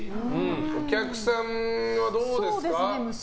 お客さんはどうですか。